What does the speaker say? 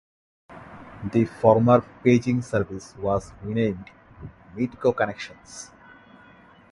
The former paging service was renamed Midco Connections.